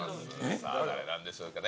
さあ、誰なんでしょうかね。